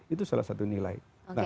itu salah satu nilai